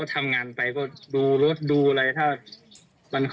แต่กลับไปแล้วโดนยิดบ้าน